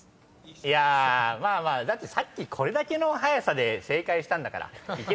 いやまあまあだってさっきこれだけの早さで正解したんだから。